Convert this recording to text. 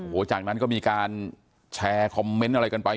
โอ้โหจากนั้นก็มีการแชร์คอมเมนต์อะไรกันไป